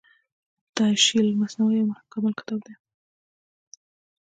تشعيل المثنوي يو مکمل کتاب دی